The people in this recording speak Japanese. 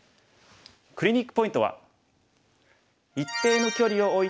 クリニックポイントは。